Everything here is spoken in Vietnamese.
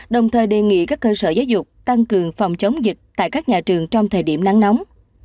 đồng thời đề nghị các cơ sở giáo dục tăng cường phòng chống dịch tại các nhà trường trong thời điểm nắng nóng